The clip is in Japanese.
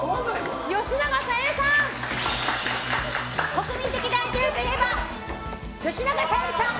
国民的大女優といえば吉永小百合さん！